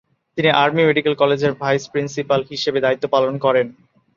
তিনি army medical college এর vice principal হিসেবে দায়িত্ব পালন করেন।